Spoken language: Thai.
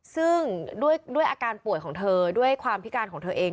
ซึ่งด้วยอาการป่วยของเธอด้วยความพิการของเธอเอง